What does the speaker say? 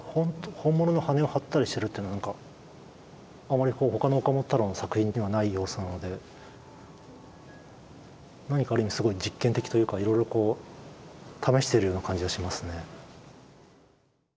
本物の羽根を貼ったりしてるって何かあまり他の岡本太郎の作品にはない要素なので何かある意味すごい実験的というかいろいろこう試しているような感じはしますね。